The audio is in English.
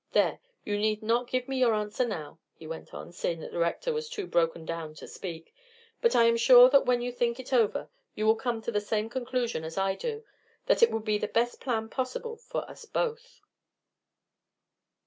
There you need not give me an answer now," he went on, seeing that the Rector was too broken down to speak; "but I am sure that when you think it over you will come to the same conclusion as I do, that it will be the best plan possible for us both."